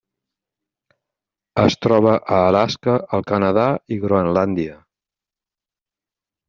Es troba a Alaska, el Canadà i Groenlàndia.